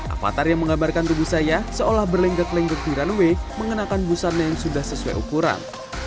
avatar yang menggambarkan tubuh saya seolah berlenggak lenggok di runway mengenakan busana yang sudah sesuai ukuran